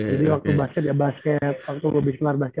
jadi waktu basket ya basket waktu lebih kemar basket ya